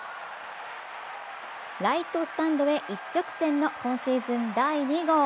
ライトスタンドへ一直線の今シーズン第２号。